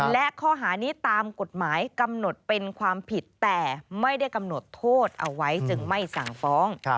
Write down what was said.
และข้อหานี้ตามกฎหมายกำหนดเป็นความผิดแต่ไม่ได้กำหนดโทษเอาไว้จึงไม่สั่งฟ้อง